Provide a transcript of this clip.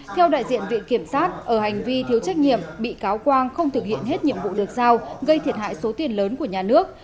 theo đại diện viện kiểm sát ở hành vi thiếu trách nhiệm bị cáo quang không thực hiện hết nhiệm vụ được giao gây thiệt hại số tiền lớn của nhà nước